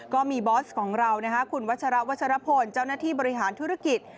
บอสของเราคุณวัชระวัชรพลเจ้าหน้าที่บริหารธุรกิจ